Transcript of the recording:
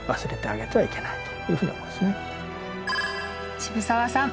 渋沢さん